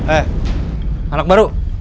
eh anak baru